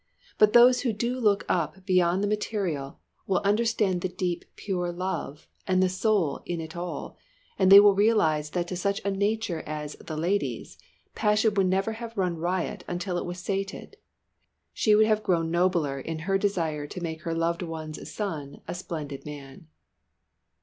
But those who do look up beyond the material will understand the deep pure love, and the Soul in it all, and they will realise that to such a nature as "the Lady's," passion would never have run riot until it was sated she would have daily grown nobler in her desire to make her Loved One's son a splendid man.